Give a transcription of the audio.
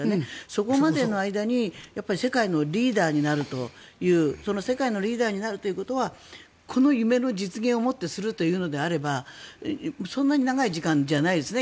そこまでの間に世界のリーダーになるというその世界のリーダーになるということはこの夢の実現をもってするというのであればそんなに長い時間じゃないですね